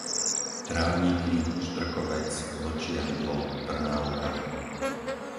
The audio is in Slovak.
Trávniky, Štrkovec, Vlčie hrdlo, Trnávka